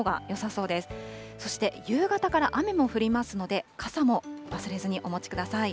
そして夕方から雨も降りますので、傘も忘れずにお持ちください。